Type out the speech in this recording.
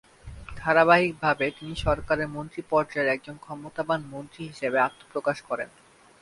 ধারাবাহিকভাবে তিনি সরকারের মন্ত্রী পর্যায়ের একজন ক্ষমতাবান মন্ত্রী হিসেবে আত্মপ্রকাশ করেন।